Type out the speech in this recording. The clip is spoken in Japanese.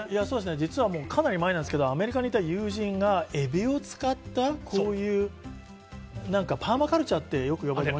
実はもう、かなり前ですけどアメリカにいた友人がエビを使ったこういうパーマカルチャーっていわれるもの。